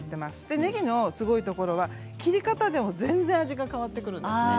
ねぎのすごいところは切り方でも全然、味が変わってくるんですね。